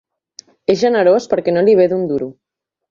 És generós perquè no li ve d'un duro.